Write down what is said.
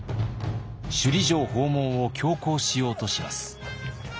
首里城訪問を強行しようとします。